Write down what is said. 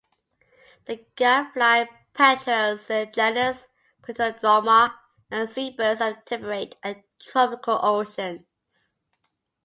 The gadfly petrels in the genus "Pterodroma" are seabirds of temperate and tropical oceans.